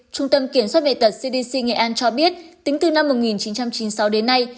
trung tâm kiểm soát bệnh tật cdc nghệ an cho biết tính từ năm một nghìn chín trăm chín mươi sáu đến nay